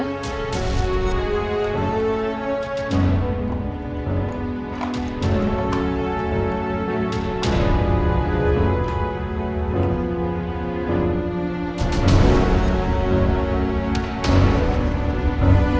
biar dia sadar saja